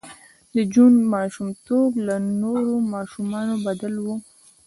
د جون ماشومتوب له نورو ماشومانو بدل و